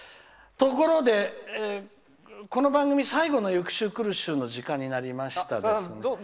ところで、この番組最後の「ゆく週くる週」の時間になりましたね。